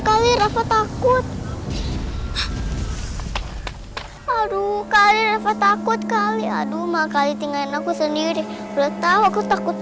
kali rasa takut aduh kali apa takut kali aduh makanya tinggalin aku sendiri udah tahu aku takut